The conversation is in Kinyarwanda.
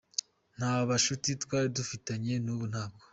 Nta bucuti twari dufitanye n’ubu ntabwo”.